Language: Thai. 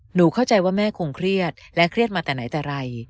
เข้าใจว่าแม่คงเครียดและเครียดมาแต่ไหนแต่ไร